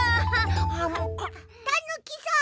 たぬきさん！